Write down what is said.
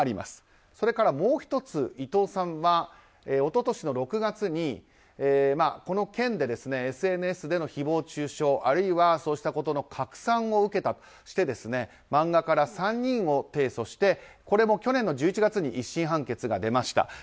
それからもう１つ伊藤さんは一昨年６月にこの件でＳＮＳでの誹謗中傷あるいは、そうしたことの拡散を受けたとして漫画家ら３人を提訴してこれも去年１１月に１審判決が出ました。